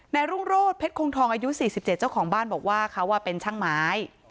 รุ่งโรธเพชรคงทองอายุ๔๗เจ้าของบ้านบอกว่าเขาเป็นช่างไม้